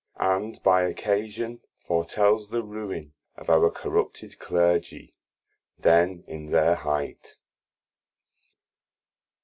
And by occasion foretels the ruine of our corrupted Clergy then in their height.